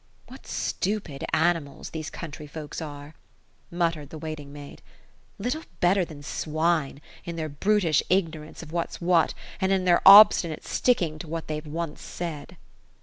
^ What stupid animals these country folks are !" muttered the w:iit ing maid ;*^ little better than swine, in their brutish ignorance of what's what, and in their obstinate sticking to what they've once said."